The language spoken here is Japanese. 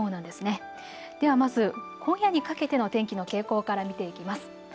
ではまず今夜にかけての天気の傾向から見ていきます。